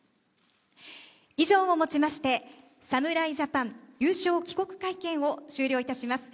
以上をもちまして侍ジャパン優勝帰国会見を終了いたします。